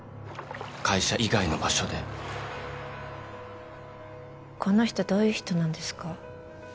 会社以外の場所でこの人どういう人なんですか？